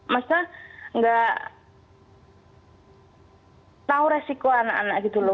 maksudnya nggak tahu resiko anak anak gitu loh